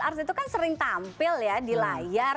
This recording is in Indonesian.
arz itu kan sering tampil ya di layar